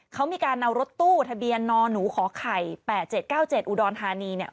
เขามีการเอารถตู้ทะเบียนนหนูขอไข่๘๗๙๗อุดรธานีเนี่ย